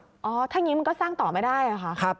ถ้าอย่างนี้มันก็สร้างต่อไม่ได้หรือคะ